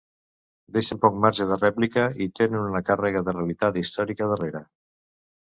Deixen poc marge de rèplica i tenen una càrrega de realitat històrica darrere.